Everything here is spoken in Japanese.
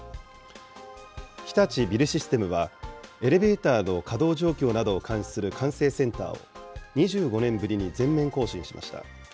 日立ビルシステムは、エレベーターの稼働状況などを監視する管制センターを、２５年ぶりに全面更新しました。